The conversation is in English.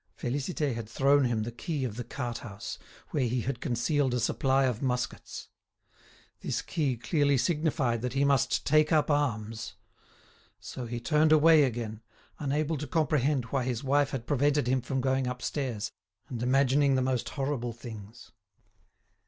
Félicité had thrown him the key of the cart house, where he had concealed a supply of muskets. This key clearly signified that he must take up arms. So he turned away again, unable to comprehend why his wife had prevented him from going upstairs, and imagining the most horrible things.